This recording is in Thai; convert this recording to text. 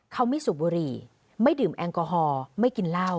เขาไม่สูบบุหรี่ไม่ดื่มแอลกอฮอล์ไม่กินเหล้า